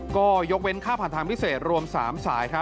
ก็ยกเว้นค่าผ่านทางพิเศษรวม๓สาย